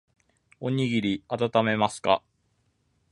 おにぎりあたためますか